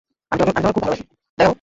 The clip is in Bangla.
আমি তোমাকে খুব ভালোবাসি।